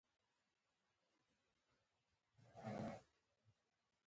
نه يې مني او اکرم اېڅکله لور نه ورکوي.